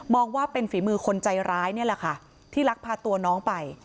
ว่าเป็นฝีมือคนใจร้ายนี่แหละค่ะที่ลักพาตัวน้องไป